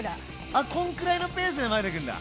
あっこんくらいのペースで混ぜてくんだ。